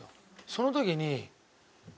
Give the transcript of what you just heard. その時に。